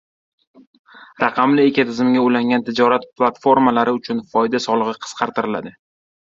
Raqamli ekotizimga ulangan tijorat platformalari uchun foyda solig‘i qisqartiriladi